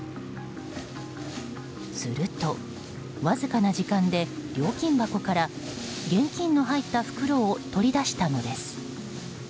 すると、わずかな時間で料金箱から現金の入った袋を取り出したのです。